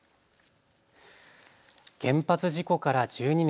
原発事故から１２年。